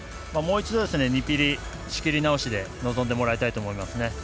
もう一度、２ピリオドは仕切り直して臨んでもらいたいと思いますね。